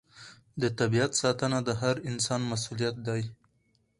د طبیعت ساتنه د هر انسان مسوولیت دی.